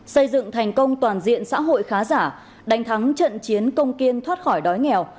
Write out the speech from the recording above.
xây dựng thành công toàn diện xã hội khá giả đánh thắng trận chiến công kiên thoát khỏi đói nghèo